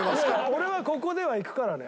俺はここではいくからね。